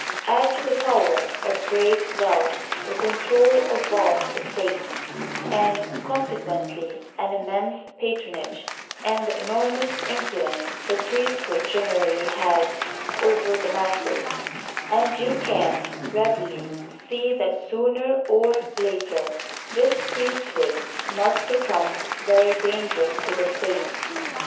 Add to the power of great wealth the control of vast estates and conse quently an immense patronage, and the enormous influ ence the priesthood generally has over the masses, and you can readily see that sooner or later this priesthood must become very dangerous to the state.